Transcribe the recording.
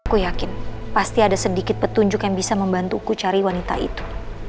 aku yakin pasti ada sedikit petunjuk yang bisa membantuku cari wanita itu